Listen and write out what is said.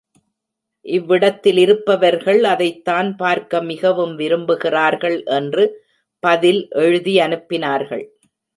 இவ்விடத்திலிருப்பவர்கள் அதைத்தான் பார்க்க மிகவும் விரும்புகிறார்கள் என்று பதில் எழுதியனுப்பினார்கள்.